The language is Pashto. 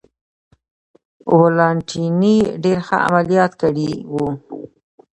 ولانتیني ډېر ښه عملیات کړي و.